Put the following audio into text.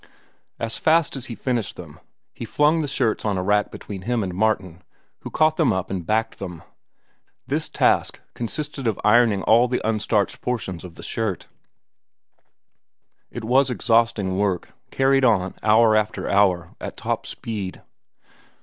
As fast as he finished them, he flung the shirts on a rack between him and Martin, who caught them up and "backed" them. This task consisted of ironing all the unstarched portions of the shirts. It was exhausting work, carried on, hour after hour, at top speed.